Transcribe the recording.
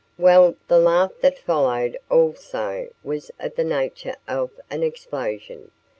Well, the laugh that followed also was of the nature of an explosion.